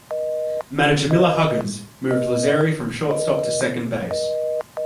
Manager Miller Huggins moved Lazzeri from shortstop to second base.